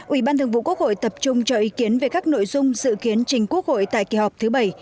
ủy ban thường vụ quốc hội tập trung cho ý kiến về các nội dung dự kiến trình quốc hội tại kỳ họp thứ bảy